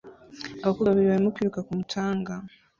Abakobwa babiri barimo kwiruka ku mucanga